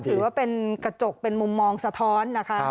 ถือว่าเป็นกระจกเป็นมุมมองสะท้อนนะคะ